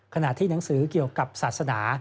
ขณะที่หนังสือเกี่ยวกับศาสนา